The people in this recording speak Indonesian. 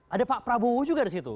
ada pak prabowo juga di situ